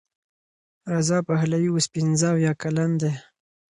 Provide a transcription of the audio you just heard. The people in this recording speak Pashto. رضا پهلوي اوس پنځه اویا کلن دی.